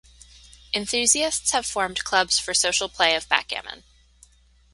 Enthusiasts have formed clubs for social play of backgammon.